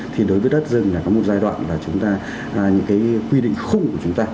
thì đối với đất rừng là có một giai đoạn là chúng ta những cái quy định khung của chúng ta